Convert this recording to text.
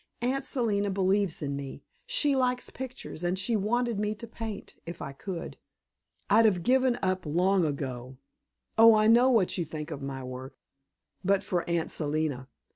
"Aunt Selina believes in me. She likes pictures, and she wanted me to paint, if I could. I'd have given up long ago oh, I know what you think of my work but for Aunt Selina.